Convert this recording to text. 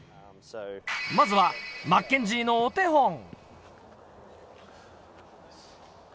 まずはマッケンジーのお手本。